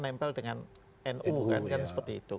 kan nempel dengan nu kan kan seperti itu